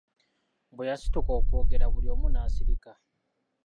Bwe yasituka okwogera, buli omu n'asirika.